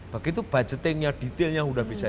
begitu budgeting nya detailnya sudah bisa